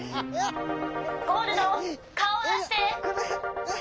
「ゴールドかおをだして！」。